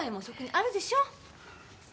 そこにあるでしょ！